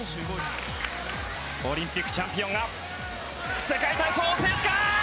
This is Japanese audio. オリンピックチャンピオンが世界体操を制すか。